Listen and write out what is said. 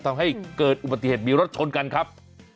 ทำให้เกิดอุบัติเหตุมีรถชนกันครับ